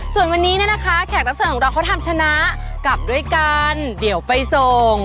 ส่วนวันนี้แขกรับเสริมของเราเขาทำชนะกลับด้วยกันเดี๋ยวไปส่ง